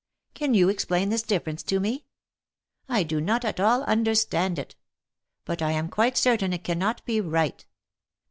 Can you explain this difference to me ? I do not at all understand it ; but lam quite certain it cannot be right.